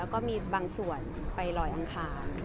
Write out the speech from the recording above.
แล้วก็มีบางส่วนไปลอยอังคาร